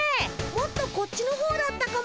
もっとこっちのほうだったかも。